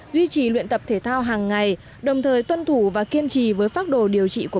duy trì luyện tập thể thao hàng ngày đồng thời tuân thủ và kiên trì với pháp đồ điều trị của